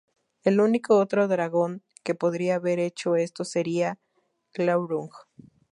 El único otro dragón que podría haber hecho esto sería Glaurung.